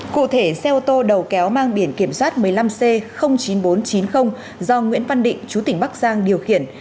cụ thể xe ô tô đầu kéo mang biển kiểm soát một mươi năm c chín nghìn bốn trăm chín mươi do nguyễn văn định chú tỉnh bắc giang điều khiển